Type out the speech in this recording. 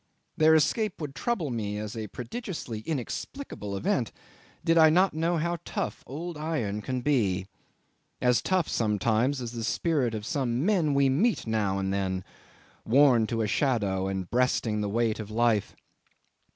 Their escape would trouble me as a prodigiously inexplicable event, did I not know how tough old iron can be as tough sometimes as the spirit of some men we meet now and then, worn to a shadow and breasting the weight of life.